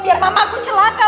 biar mama aku celaka